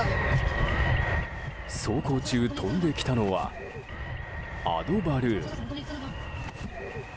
走行中、飛んできたのはアドバルーン。